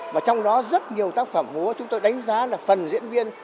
và trong đó rất nhiều tác phẩm múa chúng tôi đánh giá là phần diễn viên